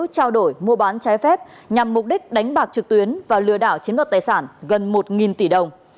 trao đổi mua bán trái phép nhằm mục đích đánh bạc trực tuyến và lừa đảo chiếm đoạt tài sản gần một tỷ đồng